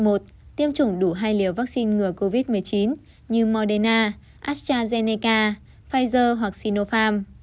tiêm chủng đủ hai liều vaccine ngừa covid một mươi chín như moderna astrazeneca pfizer hoặc sinopharm